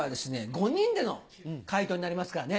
５人での回答になりますからね